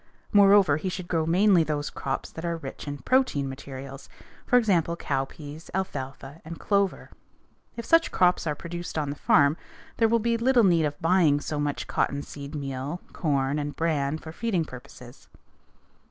Moreover, he should grow mainly those crops that are rich in protein materials, for example, cowpeas, alfalfa, and clover. If such crops are produced on the farm, there will be little need of buying so much cotton seed meal, corn, and bran for feeding purposes.